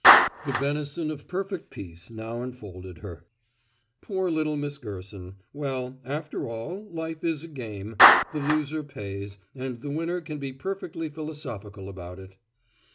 The benison of perfect peace now enfolded her. Poor little Miss Gerson well, after all, life is a game, the loser pays, and the winner can be perfectly philosophical about it.